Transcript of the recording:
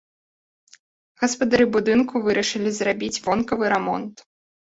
Гаспадары будынку вырашылі зрабіць вонкавы рамонт.